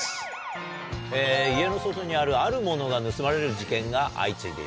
家の外にあるあるものが盗まれる事件が相次いでいます。